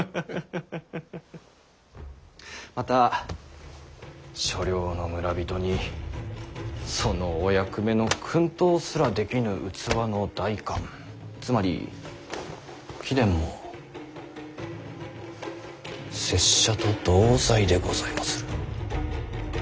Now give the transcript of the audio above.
また所領の村人にそのお役目の薫陶すらできぬ器の代官つまり貴殿も拙者と同罪でございまする。